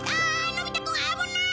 のび太くん危ない！